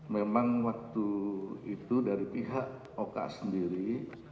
memang waktu itu dari pihak oka sendiri